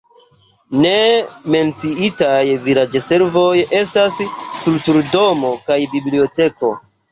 Ne menciitaj vilaĝservoj estas kulturdomo kaj biblioteko.